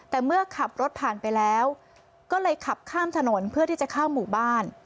แต่เมื่อขับรถผ่านไปแล้วก็เลยขับข้ามถนนเพื่อที่จะเข้าหมู่บ้าน